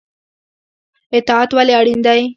اطاعت ولې اړین دی؟